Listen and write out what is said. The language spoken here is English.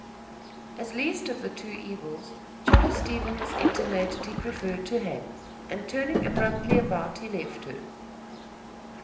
As least of the two evils, Charles Stevens intimated he preferred to hang, and, turning abruptly about, he left her.